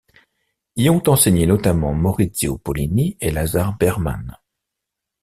Y ont enseigné notamment Maurizio Pollini et Lazar Berman.